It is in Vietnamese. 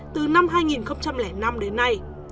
từ năm hai nghìn năm đến nay